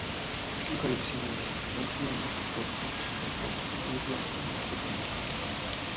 Hijo de misioneros, nació en Tokio, Japón, y creció en ese país.